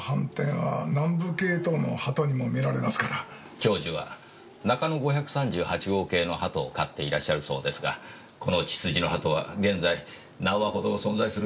教授は中野５３８号系の鳩を飼っていらっしゃるそうですがこの血筋の鳩は現在何羽ほど存在するのでしょうか？